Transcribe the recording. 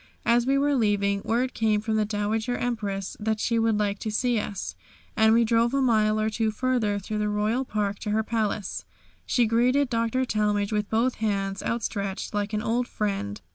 As we were leaving, word came from the Dowager Empress that she would see us, and we drove a mile or two further through the royal park to her palace. She greeted Dr. Talmage with both hands outstretched, like an old friend.